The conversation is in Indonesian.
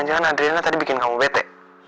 apa jangan jangan adriana tadi bikin kamu bete